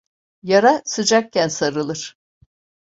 Yara, sıcakken sarılır.